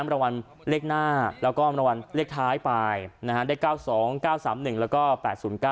มรวรรณเลขหน้าแล้วก็มรวรรณเลขท้ายไปนะฮะ